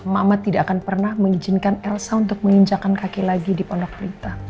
mama tidak akan pernah mengizinkan elsa untuk menginjakan kaki lagi di pondok prita